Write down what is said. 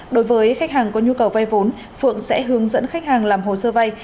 đối với khách hàng có nhu cầu vay vốn phượng sẽ hướng dẫn khách hàng làm hồ sơ vay